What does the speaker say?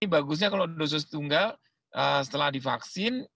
bagusnya kalau dosis tunggal setelah divaksin